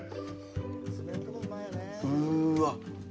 うーわっ。